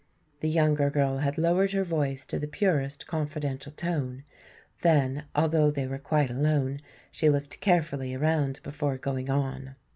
The younger girl had lowered her voice to the purest confidential tone. Then, although they were quite alone, she looked carefully around before going on.